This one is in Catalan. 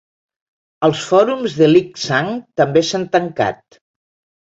Els fòrums de Lik-Sang també s'han tancat.